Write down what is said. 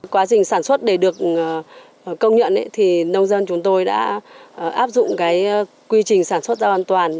quá trình sản xuất để được công nhận thì nông dân chúng tôi đã áp dụng quy trình sản xuất rau an toàn